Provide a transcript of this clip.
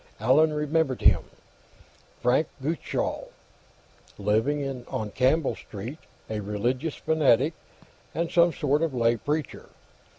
Allan remembered him. Frank Gutchall. Lived on Campbell Street; a religious fanatic, and some sort of lay preacher.